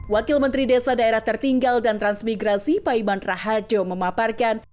wakil menteri desa daerah tertinggal dan transmigrasi paiman rahajo memaparkan